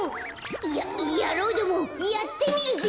ややろうどもやってみるぜ！